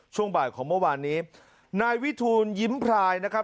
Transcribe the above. ช่วงบ่ายของเมื่อวานนี้นายวิทูลยิ้มพรายนะครับ